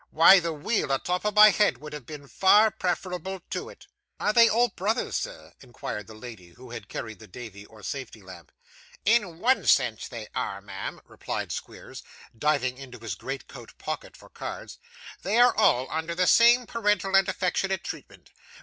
Why the wheel a top of my head would have been far preferable to it.' 'Are they all brothers, sir?' inquired the lady who had carried the 'Davy' or safety lamp. 'In one sense they are, ma'am,' replied Squeers, diving into his greatcoat pocket for cards. 'They are all under the same parental and affectionate treatment.